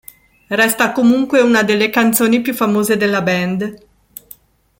Resta comunque una delle canzoni più famose della band.